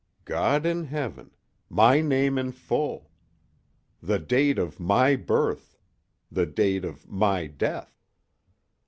God in Heaven! my name in full!—the date of my birth!—the date of my death!